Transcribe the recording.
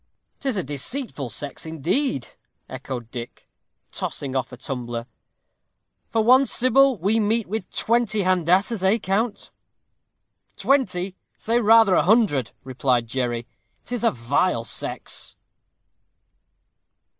"'Tis a deceitful sex, indeed," echoed Dick, tossing off a tumbler. "For one Sybil we meet with twenty Handassahs, eh, count?" "Twenty! say rather a hundred," replied Jerry. "'Tis a vile sex."